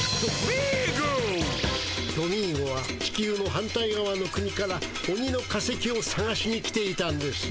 トミーゴは地球の反対がわの国からオニの化石をさがしに来ていたんです。